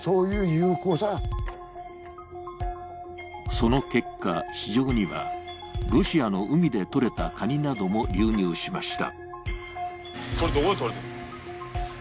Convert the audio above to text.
その結果、市場には、ロシアの海で取れたカニなども流入しました。